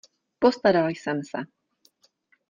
Postaral jsem se.